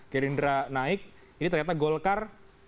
gerindra naik ini ternyata golkar